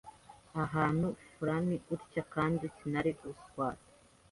ahantu furani gutya kandi sinari kugaswata